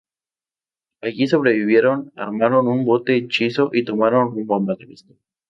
Allí sobrevivieron, armaron un bote hechizo, y tomaron rumbo a Madagascar.